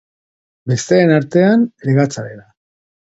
Besteren artean, legatzarena.